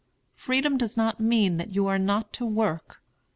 Freedom does not mean that you are not to work.